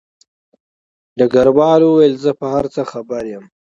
ډګروال وویل چې زه په هر څه خبر یم